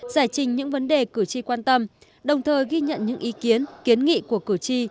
giải trình những vấn đề cử tri quan tâm đồng thời ghi nhận những ý kiến kiến nghị của cử tri